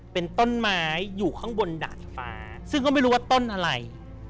เป็นต้นไม้อยู่ข้างบนดาดฟ้าซึ่งก็ไม่รู้ว่าต้นอะไร